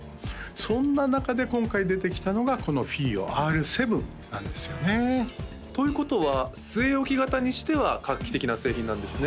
そんな中で今回出てきたのがこのＦｉｉＯＲ７なんですよねということは据え置き型にしては画期的な製品なんですね